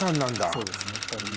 そうですね２人。